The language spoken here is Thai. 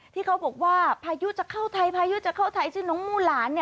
ที่เขาบอกว่าพายุจะเข้าไทยชื่อน้องมูหลาน